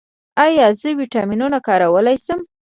ایا زه ویټامینونه کارولی شم؟